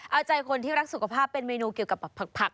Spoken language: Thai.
เอาใจคนที่รักสุขภาพเป็นเมนูเกี่ยวกับผัก